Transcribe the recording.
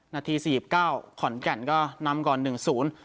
นาทีสี่สิบเก้าขอนแก่นก็นำก่อนหนึ่งศูนย์